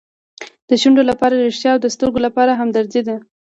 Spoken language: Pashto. د شونډو لپاره ریښتیا او د سترګو لپاره همدردي ده.